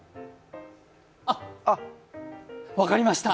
あっ、分かりました。